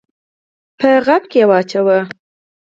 په غاب کي یې واچوه !